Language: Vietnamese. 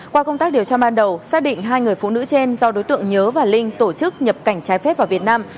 qua công tác điều tra ban đầu xác định hai người phụ nữ trên do đối tượng nhớ và linh tổ chức nhập cảnh trái phép vào việt nam